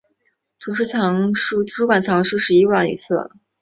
图书馆藏书十一万余册。